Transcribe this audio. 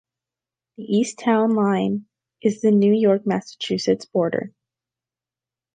The east town line is the New York - Massachusetts border.